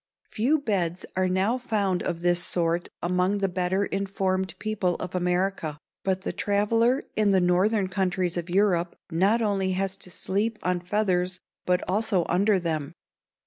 Few beds are now found of this sort among the better informed people of America, but the traveler in the northern countries of Europe not only has to sleep on feathers but also under them.